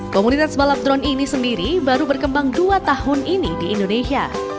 komunitas balap drone ini sendiri baru berkembang dua tahun ini di indonesia